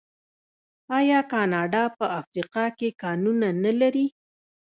آیا کاناډا په افریقا کې کانونه نلري؟